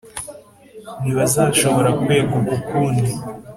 ntibazashobora kweguka ukundi,